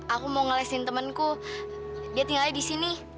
aku mau ngelesin temenku dia tinggalnya disini